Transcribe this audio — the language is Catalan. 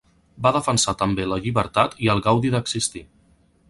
Va defensar també la llibertat i el gaudi d'existir.